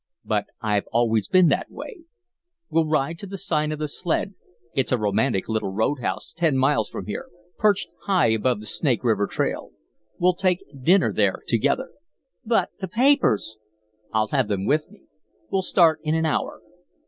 But I've always been that way We'll ride to the Sign of the Sled. It's a romantic little road house ten miles from here, perched high above the Snake River trail. We'll take dinner there together." "But the papers?" "I'll have them with me. We'll start in an hour."